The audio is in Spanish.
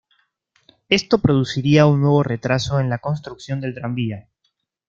Esto produciría un nuevo retraso en la construcción del tranvía.